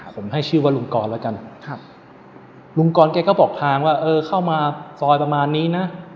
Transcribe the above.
ผมให้ชื่อว่าลุงกรแล้วกันครับลุงกรแกก็บอกทางว่าเออเข้ามาซอยประมาณนี้นะ